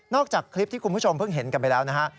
จากคลิปที่คุณผู้ชมเพิ่งเห็นกันไปแล้วนะฮะ